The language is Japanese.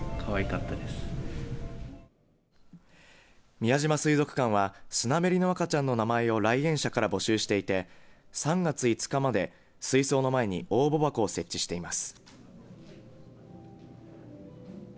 宮島水族館はスナメリの赤ちゃんの名前を来園者から募集していて３月５日まで水槽の前に応募箱を設置しています。